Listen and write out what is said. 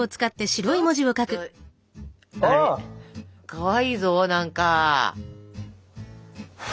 かわいいぞ何か。